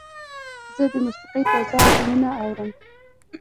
زه د موسیقۍ تازه البومونه اورم.